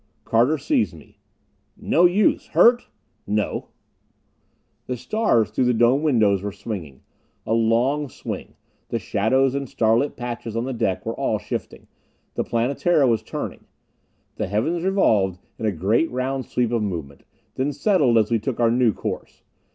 Carter seized me. "No use! Hurt?" "No." The stars through the dome windows were swinging. A long swing the shadows and starlit patches on the deck were all shifting. The Planetara was turning. The heavens revolved in a great round sweep of movement, then settled as we took our new course.